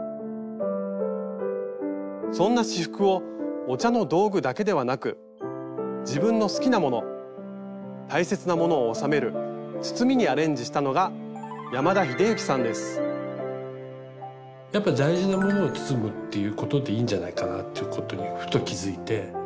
そんな仕覆をお茶の道具だけではなく自分の好きなもの大切なものを収める包みにアレンジしたのがやっぱ大事なものを包むっていうことでいいんじゃないかなっていうことにふと気付いて。